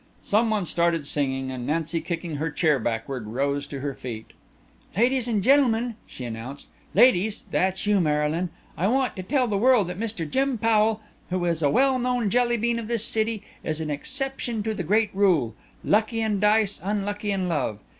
Someone started singing and Nancy kicking her chair backward rose to her feet. "Ladies and gentlemen," she announced, "Ladies that's you Marylyn. I want to tell the world that Mr. Jim Powell, who is a well known Jelly bean of this city, is an exception to the great rule 'lucky in dice unlucky in love.